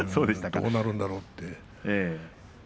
どうなるんだろうという。